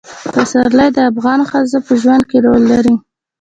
پسرلی د افغان ښځو په ژوند کې رول لري.